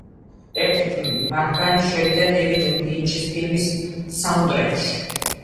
ერთ-ერთი მათგანი შევიდა დევიდ ლინჩის ფილმის საუნდტრეკში.